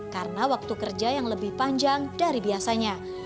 karena waktu kerja yang lebih panjang dari biasanya